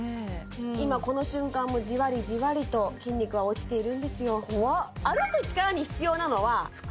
今この瞬間もじわりじわりと筋肉は落ちているんですよ怖っ